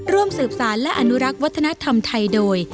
ร่วมสืบสารและอนุรักษ์วัฒนธรรมไทยโดย